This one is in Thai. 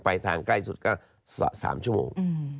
ไปทางใกล้สุดก็๓ชั่วโมง